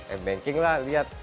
eh banking lah lihat